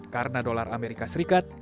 karena dolar amerika serikat